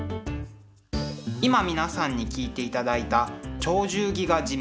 今皆さんに聴いていただいた「鳥獣戯画ジム」。